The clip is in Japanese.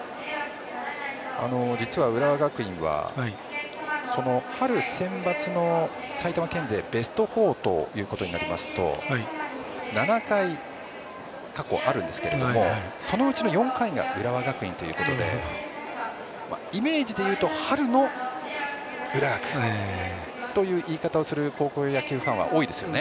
実は浦和学院は春センバツの埼玉県勢ベスト４ということになりますと７回、過去あるんですけどそのうちの４回が浦和学院ということでイメージでいうと春の浦学という言い方をする高校野球ファンは多いですね。